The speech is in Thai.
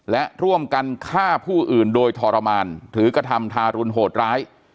และร่วมกันฆ่าผู้อื่นโดยทรมานหรือกระทำทารุณโหดร้าย